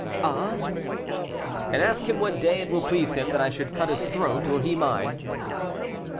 "Ah!" "And ask him what day it will please him that I should cut his throat, or he mine?"